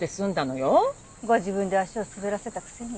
ご自分で足を滑らせたくせに。